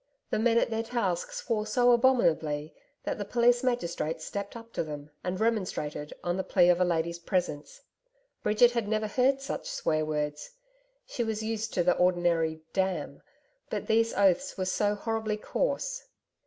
The men at their task swore so abominably that the police magistrate stepped up to them and remonstrated on the plea of a lady's presence. Bridget had never heard such swear words. She was used to the ordinary 'damn,' but these oaths were so horribly coarse.